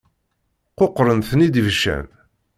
Quqṛen-ten-id ibeccan.